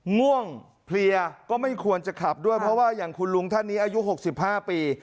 ง่วงเพลียก็ไม่ควรจะขับด้วยเพราะว่าอย่างคุณลุงท่านนี้อายุ๖๕ปี